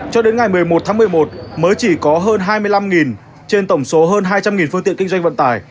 cho đến ngày một mươi một tháng một mươi một mới chỉ có hơn hai mươi năm trên tổng số hơn hai trăm linh phương tiện kinh doanh vận tải